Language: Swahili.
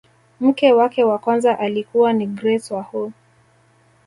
mke wake wa kwanza alikuwa ni grace wahu